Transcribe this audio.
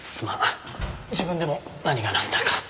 自分でも何がなんだか。